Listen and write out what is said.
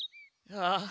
ああ。